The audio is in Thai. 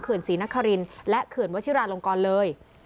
ขืนศรีนครินทร์และขืนวชิราลงกรเลย